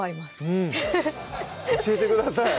教えてください